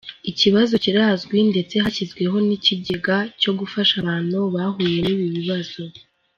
Iki kibazo kirazwi ndetse hashyizweho n’ikigega cyo gufasha abantu bahuye n’ibibazo .